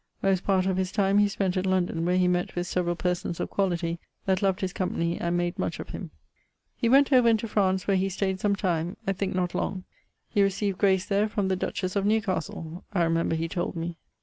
Most part of his time he spent at London, where he mett with severall persons of quality that loved his company, and made much of him. He went over into France, where he stayed some time, I thinke not long. He received grace there from the dutches of Newcastle, I remember he tolde me.